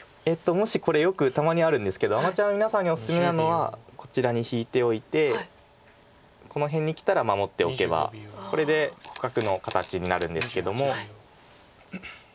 もしこれよくたまにあるんですけどアマチュアの皆さんにおすすめなのはこちらに引いておいてこの辺にきたら守っておけばこれで互角の形になるんですけども。